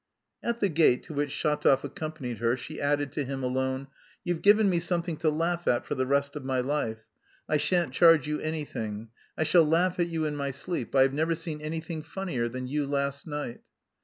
At the gate, to which Shatov accompanied her, she added to him alone. "You've given me something to laugh at for the rest of my life; I shan't charge you anything; I shall laugh at you in my sleep! I have never seen anything funnier than you last night."